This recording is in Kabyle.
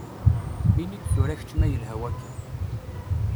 Ini-d tura kečč ma yelha wakka.